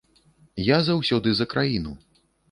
Я заўсёды за краіну.